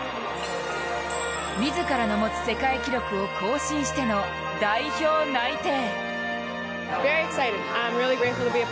自らの持つ世界記録を更新しての代表内定。